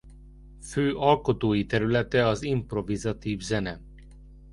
Fő alkotói területe az improvizatív zene.